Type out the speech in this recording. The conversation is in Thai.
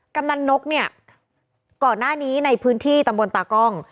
กำนันนกเนี่ยก่อนหน้านี้ในพื้นที่ตำบลตากล้อง